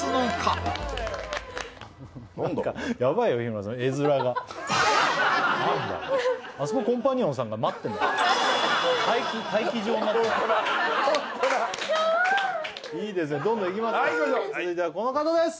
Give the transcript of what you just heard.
続いてはこの方です。